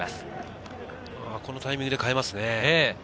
このタイミングで代えますね。